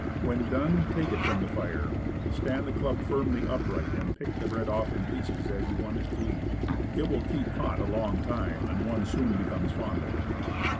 When done take it from the fire, stand the club firmly upright, and pick the bread off in pieces as you want it to eat. It will keep hot a long time, and one soon becomes fond of it.